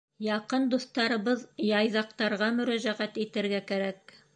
— Яҡын дуҫтарыбыҙ Яйҙаҡтарға мөрәжәғәт итергә кәрәк!